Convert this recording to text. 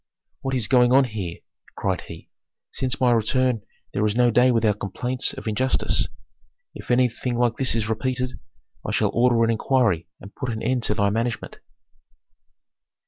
"What is going on here?" cried he. "Since my return there is no day without complaints of injustice. If anything like this is repeated, I shall order an inquiry and put an end to thy management."